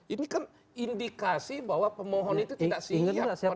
ini kan indikasi bahwa pemohon itu tidak siap